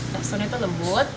tersenyumnya itu lembut